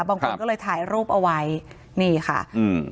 บางคนก็เลยถ่ายรูปเอาไว้นี่ค่ะอืม